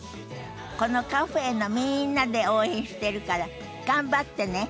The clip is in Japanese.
このカフェのみんなで応援してるから頑張ってね。